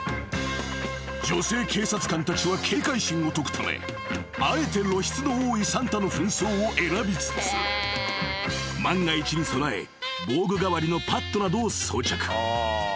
［女性警察官たちは警戒心を解くためあえて露出の多いサンタの扮装を選びつつ万が一に備え防具代わりのパットなどを装着］